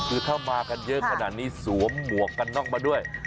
คือถ้ามากันเยอะขนาดนี้สวมหมวกกันน็อกมาด้วย